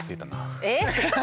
えっ？